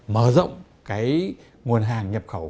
mở rộng cái nguồn hàng nhập khẩu